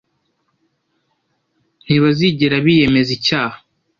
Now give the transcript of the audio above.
ntibazigera biyemeza icyaha.